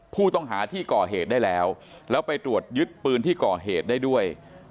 ผู้ต้องหาที่ก่อเหตุได้แล้วแล้วไปตรวจยึดปืนที่ก่อเหตุได้ด้วย